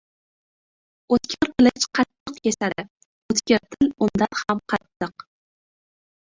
• O‘tkir qilich qattiq kesadi, o‘tkir til undan ham qattiq.